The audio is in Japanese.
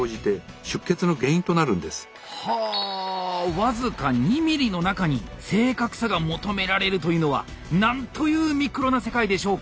僅か２ｍｍの中に正確さが求められるというのはなんというミクロな世界でしょうか！